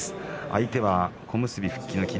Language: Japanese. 相手は小結復帰の霧